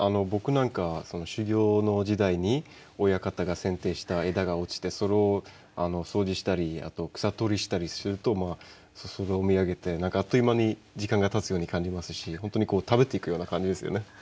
僕なんか修業の時代に親方が剪定した枝が落ちてそれを掃除したり草取りしたりするとまあ空を見上げて何かあっという間に時間がたつように感じますし本当にこう食べていくような感じですよね